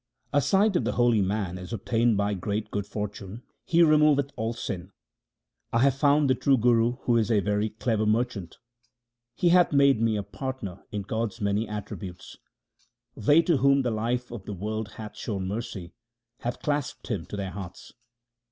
A sight of the holy man is obtained by great good fortune ; he removeth all sin. I have found the true Guru who is a very clever mer 1 That is, in a paroxysm of desire. 328 THE SIKH RELIGION chant ; he hath made me a partner in God's many attri butes. They to whom the Life of the world hath shown mercy, have clasped Him to their hearts.